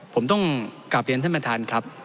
ผมต้องกลับเรียนท่านประธานครับ